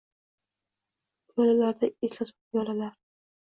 Piyodalarga eslatma Piyodalar